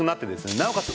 なおかつ